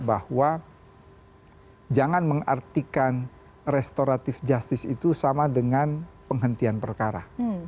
bahwa jangan mengartikan restoratif justice itu sama dengan penghentian perkara